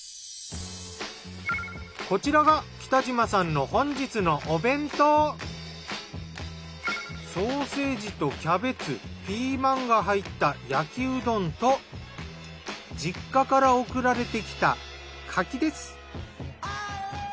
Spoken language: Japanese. こちらがソーセージとキャベツピーマンが入った焼きうどんと実家から送られてきた柿です。